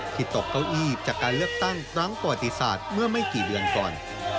ตกเก้าอี้จากการเลือกตั้งครั้งประวัติศาสตร์เมื่อไม่กี่เดือนก่อน